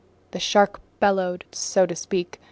The shark bellowed, so to speak.